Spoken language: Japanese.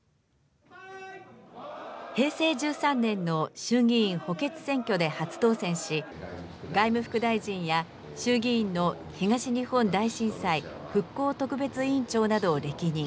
平成１３年の衆議院補欠選挙で初当選し、外務副大臣や衆議院の東日本大震災復興特別委員長などを歴任。